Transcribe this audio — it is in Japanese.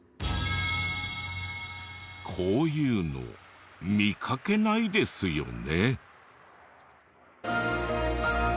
こういうの見かけないですよね？